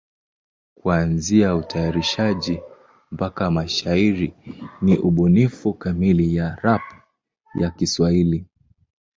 Kuanzia utayarishaji mpaka mashairi ni ubunifu kamili ya rap ya Kiswahili.